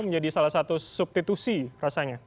menjadi salah satu substitusi rasanya